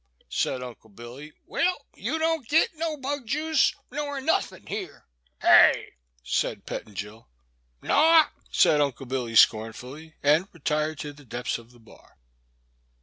said Unde Billy, ''wall, yew don't git no bug juice nor nawthin' here." '' Hey !" said Pettingil. '*Naw," said Unde Billy, scomftdly, and retired to the depths of the bar.